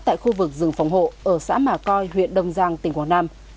tại khu vực rừng phòng hộ ở xã mà coi huyện đông giang tỉnh quảng nam